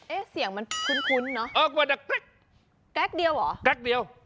เอ๊ะเสียงมันขุ้นามันแก๊กเดียวหรอแก๊กเดียว